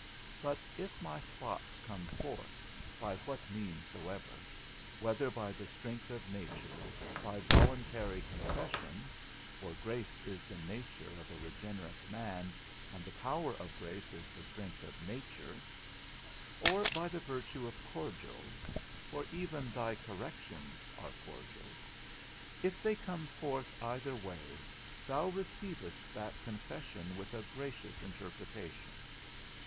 But if my spots come forth, by what means soever, whether by the strength of nature, by voluntary confession (for grace is the nature of a regenerate man, and the power of grace is the strength of nature), or by the virtue of cordials (for even thy corrections are cordials), if they come forth either way, thou receivest that confession with a gracious interpretation.